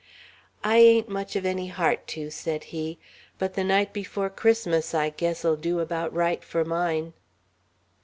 "I ain't much of any heart to," said he, "but the night before Christmas I guess'll do about right for mine."